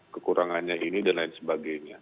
kekurangannya ini dan lain sebagainya